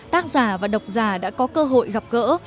tác giả và độc giả đã có cơ hội gặp gỡ